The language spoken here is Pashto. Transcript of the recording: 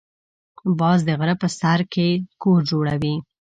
باز د غره په سر کې کور جوړوي